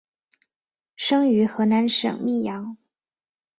生于河南省泌阳。